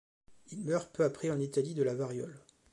Il meurt peu après en Italie de la variole.